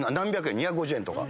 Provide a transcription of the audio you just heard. ２５０円とか。